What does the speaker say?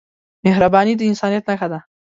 مهرباني د انسانیت نښه ده.